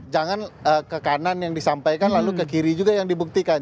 jangan ke kanan yang disampaikan lalu ke kiri juga yang dibuktikan